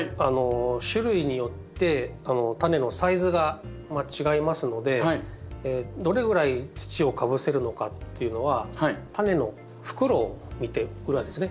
種類によってタネのサイズが違いますのでどれぐらい土をかぶせるのかっていうのはタネの袋を見て裏ですね